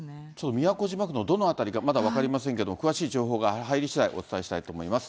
都島区のどの辺りかまだ分かりませんけども、詳しい情報が入りしだい、お伝えしたいと思います。